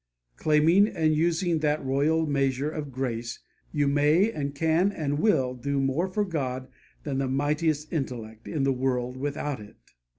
Claiming and using that royal measure of grace, you may, and can, and will do more for God than the mightiest intellect in the world without it.